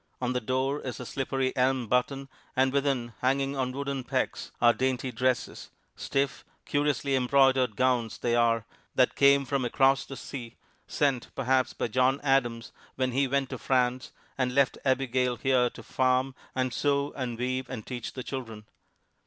On the door is a slippery elm button, and within, hanging on wooden pegs, are dainty dresses; stiff, curiously embroidered gowns they are, that came from across the sea, sent, perhaps, by John Adams when he went to France, and left Abigail here to farm and sew and weave and teach the children.